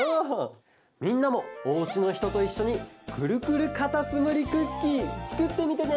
みんなもおうちのひとといっしょにくるくるカタツムリクッキーつくってみてね！